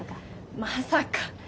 まさか。